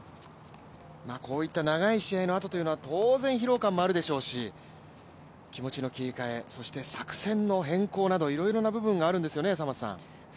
こういった長い試合のあとというのは当然疲労感もありますし気持ちの切り替え、そして作戦の変更など、いろいろな部分があるんですよね。